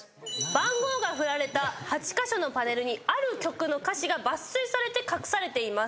番号が振られた８カ所のパネルにある曲の歌詞が抜粋されて隠されています。